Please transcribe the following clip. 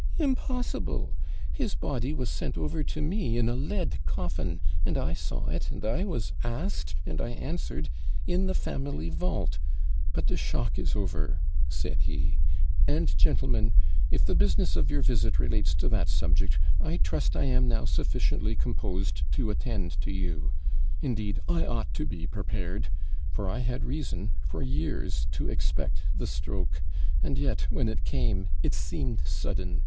'Impossible! His body was sent over to me in a lead coffin; and I saw it and I was asked and I answered, "in the family vault." But the shock is over,' said he; 'and, gentlemen, if the business of your visit relates to that subject, I trust I am now sufficiently composed to attend to you. Indeed, I ought to be prepared; for I had reason, for years, to expect the stroke; and yet, when it came, it seemed sudden!